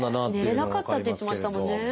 寝れなかったって言ってましたもんね。